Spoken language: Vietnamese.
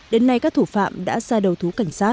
đến nay các thủ phạm đã ra đầu thú cảnh sát